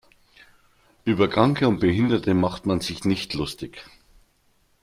Über Kranke und Behinderte macht man sich nicht lustig.